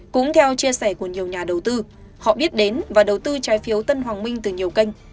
cũng theo chia sẻ của nhiều nhà đầu tư họ biết đến và đầu tư trái phiếu tân hoàng minh từ nhiều kênh